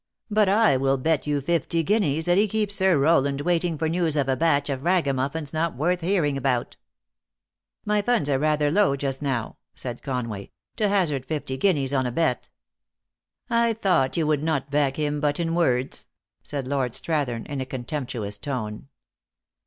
But I will bet you fifty guineas that he keeps Sir Rowland waiting for news of a batch of ragamuffins not worth hearing about." 342 THE ACTRESS IN HIGH LIFE. " My funds are rather low just now," said Conway, " to hazard fifty guineas on a bet." " I thought you would not back him but in words," said Lord Strathern, in a contemptuous tone.